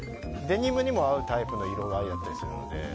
デニムにも合うタイプの色合いだったりするので。